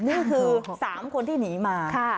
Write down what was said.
นี่คือ๓คนที่หนีมา